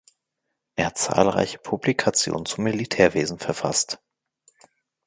Er hat zahlreiche Publikationen zum Militärwesen verfasst.